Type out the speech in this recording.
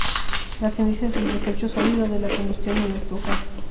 La ceniza es el desecho sólido de la combustión en la estufa.